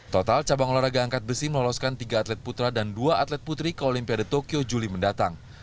total cabang olahraga angkat besi meloloskan tiga atlet putra dan dua atlet putri ke olimpiade tokyo juli mendatang